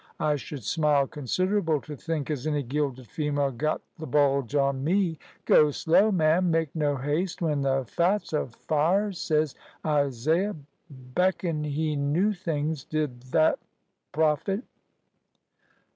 I should smile considerable to think as any gilded female got th' bulge on me. Go slow, ma'am. Make no haste when the fat's afire, ses Isaiah. Beckon he knew things, did thet prophet."